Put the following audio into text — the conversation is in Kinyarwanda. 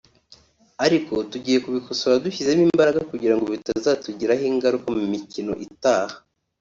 ariko tugiye kubikosora dushyizemo imbaraga kugira ngo bitazatugiraho ingaruka mu mikino itaha”